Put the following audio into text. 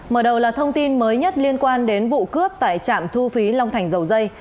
mở đầu là thông tin mới nhất liên quan đến vụ cướp tại trạm thu phí long thành dầu dây